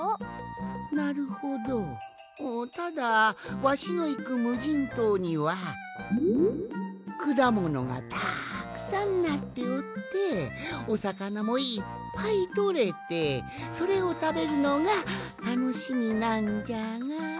なるほどただわしのいくむじんとうにはくだものがたくさんなっておっておさかなもいっぱいとれてそれをたべるのがたのしみなんじゃが。